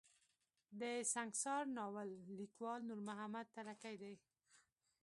د سنګسار ناول ليکوال نور محمد تره کی دی.